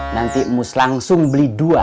nanti mus langsung beli dua